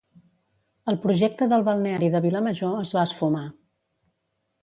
el projecte del balneari de Vilamajor es va esfumar